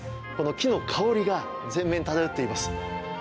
木の香りが全面に漂っています。